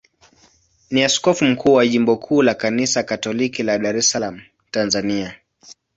ni askofu mkuu wa jimbo kuu la Kanisa Katoliki la Dar es Salaam, Tanzania.